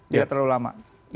tidak terlalu lama